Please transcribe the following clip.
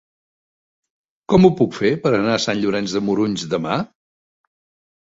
Com ho puc fer per anar a Sant Llorenç de Morunys demà?